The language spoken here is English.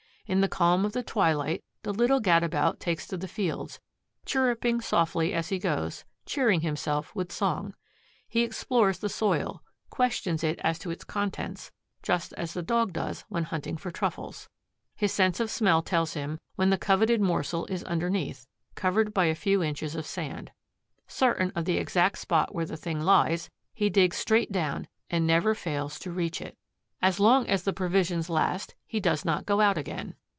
In the calm of the twilight, the little gadabout takes to the fields, chirruping softly as he goes, cheering himself with song. He explores the soil, questions it as to its contents, just as the Dog does when hunting for truffles. His sense of smell tells him when the coveted morsel is underneath, covered by a few inches of sand. Certain of the exact spot where the thing lies, he digs straight down and never fails to reach it. As long as the provisions last, he does not go out again.